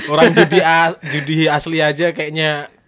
orang judi asli aja kayaknya